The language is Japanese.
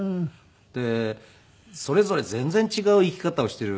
でそれぞれ全然違う生き方をしている。